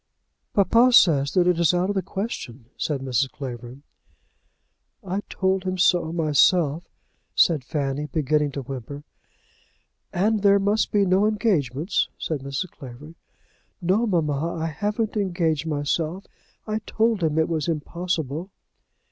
"Papa says that it is out of the question," said Mrs. Clavering. "I told him so myself," said Fanny, beginning to whimper. "And there must be no engagements," said Mrs. Clavering. "No, mamma. I haven't engaged myself. I told him it was impossible."